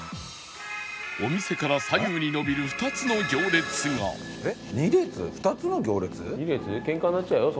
お店から左右に伸びる２つの行列がえっ２列 ？２ つの行列？